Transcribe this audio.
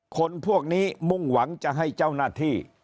คนพวกนี้มุ่งหวังจะให้เจ้าหน้าที่